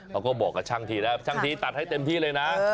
เขาก็บอกกับช่างทีแล้วช่างทีตัดให้เต็มที่เลยนะ